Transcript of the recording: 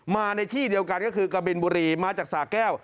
มาในที่เดียวกันก็คือกะบินบุรีมาจากสาแก้ว